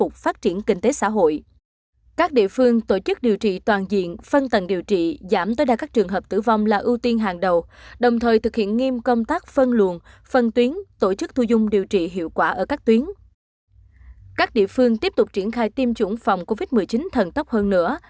các địa phương tiếp tục triển khai tiêm chủng phòng covid một mươi chín thần tốc hơn nữa